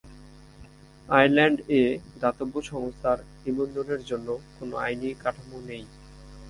আয়ারল্যান্ড-এ দাতব্য সংস্থার নিবন্ধনের জন্য কোনো আইনি কাঠামো নেই।